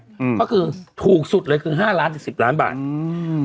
อืมก็คือถูกสุดเลยคือห้าล้านถึงสิบล้านบาทอืม